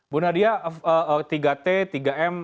bu nadia tiga t tiga m